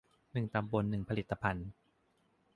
หนึ่งตำบลหนึ่งผลิตภัณฑ์